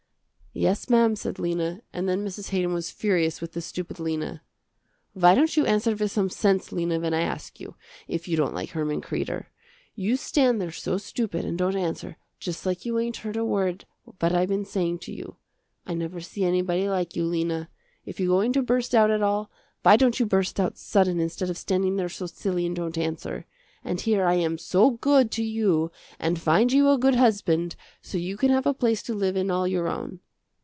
"Yes ma'am," said Lena, and then Mrs. Haydon was furious with this stupid Lena. "Why don't you answer with some sense, Lena, when I ask you if you don't like Herman Kreder. You stand there so stupid and don't answer just like you ain't heard a word what I been saying to you. I never see anybody like you, Lena. If you going to burst out at all, why don't you burst out sudden instead of standing there so silly and don't answer. And here I am so good to you, and find you a good husband so you can have a place to live in all your own.